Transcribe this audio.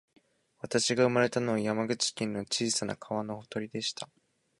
私が生まれたのは、山口県の小さな川のほとりでした